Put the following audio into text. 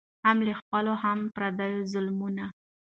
هم له خپلو هم پردیو ظالمانو